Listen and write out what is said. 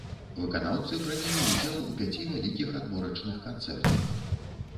Выканаўцы прынялі ўдзел у пяці вялікіх адборачных канцэртах.